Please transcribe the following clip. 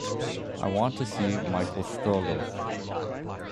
I want to see Michel Strogoff